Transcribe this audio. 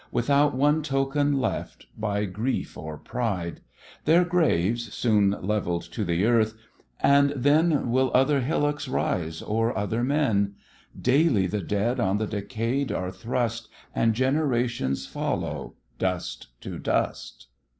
Without one token left by grief or pride; Their graves soon levell'd to the earth, and then Will other hillocks rise o'er other men; Daily the dead on the decay'd are thrust, And generations follow, "dust to dust."